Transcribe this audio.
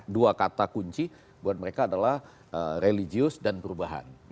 dua kata kunci buat mereka adalah religius dan perubahan